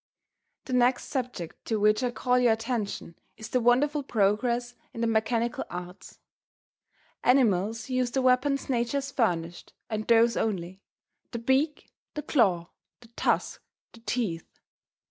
The next subject to which I call your attention is the wonderful progress in the mechanical arts. Animals use the weapons nature has furnished, and those only the beak, the claw, the tusk, the teeth.